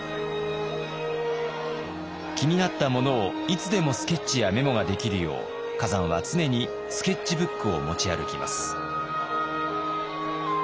気になったものをいつでもスケッチやメモができるよう崋山は常にスケッチブックを持ち歩きます。